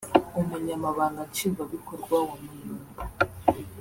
Umunyamabanga nshingwabikorwa wa Muyumbu